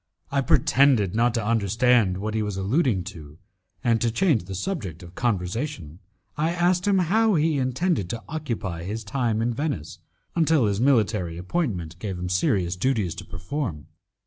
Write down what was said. I pretended not to understand what he was alluding to, and to change the subject of conversation I asked him how he intended to occupy his time in Venice until his military appointment gave him serious duties to perform.